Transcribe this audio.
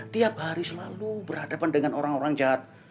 tiap hari selalu berhadapan dengan orang orang jahat